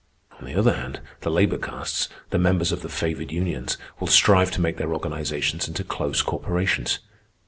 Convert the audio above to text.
"On the other hand, the labor castes, the members of the favored unions, will strive to make their organizations into close corporations.